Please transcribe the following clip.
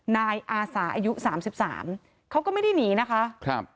นายอาสาอายุสามสิบสามเขาก็ไม่ได้หนีนะคะครับ